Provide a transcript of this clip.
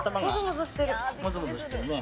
もぞもぞしてるね。